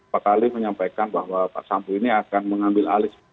pak kali menyampaikan bahwa pak sambo ini akan mengambil alih